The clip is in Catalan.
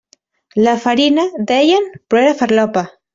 La farina, deien, però era farlopa.